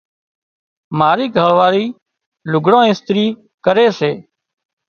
مارِي گھرواۯِي لُگھڙان اِسترِي ڪري سي۔